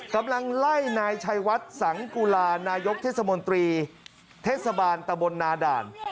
กำลังไล่นายชัยวัดสังกุลานายกเทศมนตรีเทศบาลตะบลนาด่าน